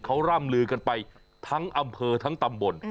เขาร่ำลือกันไปทั้งอำเภอทั้งตำบล